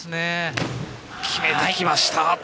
決めてきました。